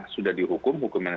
sudah dihukum hukuman yang